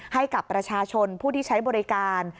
ให้กับประชาชนผู้ที่ใช้บริการ